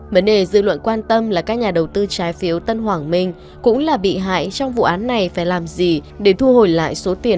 vấn đề dư luận quan tâm là các nhà đầu tư trái phiếu tân hoàng minh cũng là bị hại trong vụ án này phải làm gì để thu hồi lại số tiền